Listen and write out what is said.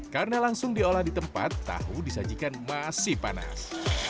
karena langsung diolah di tempat tahu disajikan masih panas